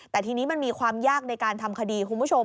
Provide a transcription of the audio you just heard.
แต่ทีนี้มันมีความยากในการทำคดีคุณผู้ชม